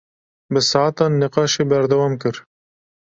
Bi saetan nîqaşê berdewam kir.